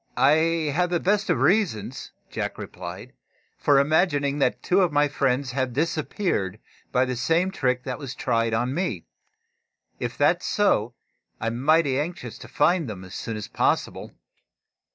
"I have the best of reasons," Jack replied, "for imagining that two of my friends have disappeared by the same trick that was tried on me. If that is so, I'm mighty anxious to find them as soon as possible."